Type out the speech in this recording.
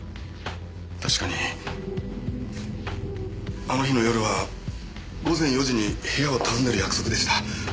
確かにあの日の夜は午前４時に部屋を訪ねる約束でした。